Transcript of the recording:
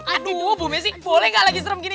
aduh bu messi boleh nggak lagi serem gini